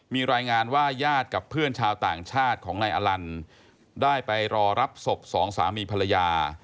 มีรายงานว่าญาติกับเพื่อนชาวต่างชาติของนายอลันได้ไปรอรับศพสองสามีภรรยา